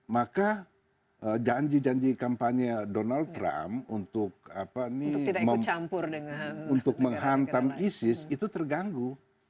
maka janji janji kampanye donald trump untuk menghantam isis itu terganggu